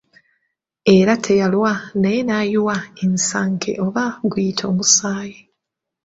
Era teyalwa naye n’ayiwa ensanke oba guyite omusaayi.